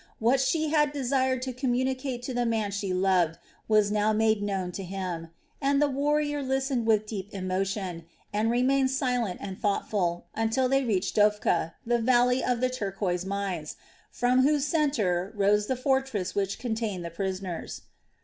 What she had desired to communicate to the man she loved was now made known to him, and the warrior listened with deep emotion and remained silent and thoughtful until they reached Dophkah, the valley of the turquoise mines, from whose center rose the fortress which contained the prisoners.